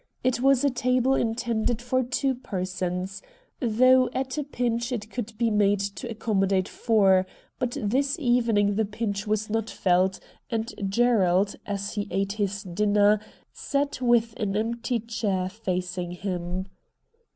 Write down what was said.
It was a table intended for two persons^ though at a pinch it could be made to accom modate four ; but this evening the pinch was not felt, and Gerald, as he ate his dinner, sat with an empty chair facing him.